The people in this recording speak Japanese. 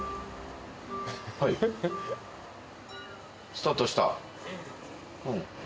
スタートした。